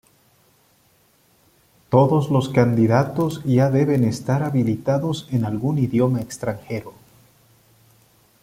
Todos los candidatos ya deben estar habilitados en algún idioma extranjero.